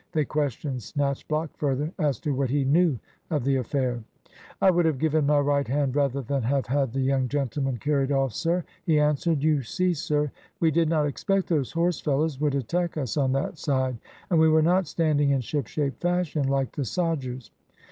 They questioned Snatchblock further as to what he knew of the affair. "I would have given my right hand rather than have had the young gentleman carried off, sir," he answered. "You see, sir, we did not expect those horse fellows would attack us on that side, and we were not standing in shipshape fashion like the sodgers.